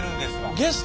ゲスト！？